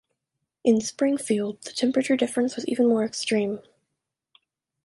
In Springfield, the temperature difference was even more extreme.